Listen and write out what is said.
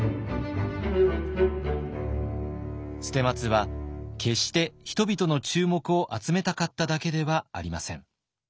捨松は決して人々の注目を集めたかっただけではありません。